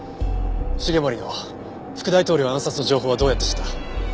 繁森の副大統領暗殺の情報はどうやって知った？